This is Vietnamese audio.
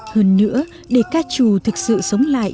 hơn nữa để ca chủ thực sự sống lại